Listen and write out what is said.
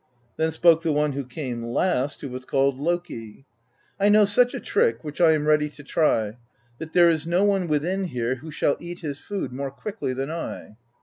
"Then spoke the one who came last, who was called Loki: 'I know such a trick, which I am ready to try: that there is no one within here who shall eat his food more quickly than I.'